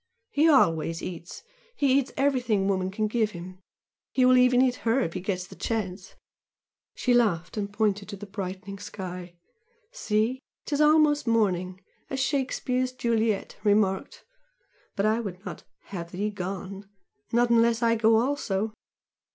He always eats, he eats everything woman can give him he will even eat HER if he gets the chance!" She laughed and pointed to the brightening sky. "See? ''Tis almost morning!' as Shakespeare's Juliet remarked but I would not 'have thee gone' not unless I go also.